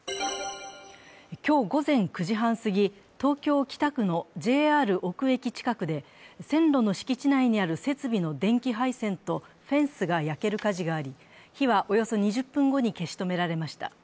今日午前９時半過ぎ、東京・北区のＪＲ尾久駅近くで、線路の敷地内にある設備の電気配線とフェンスが焼ける火事があり、火はおよそ２０分後に消し止められました。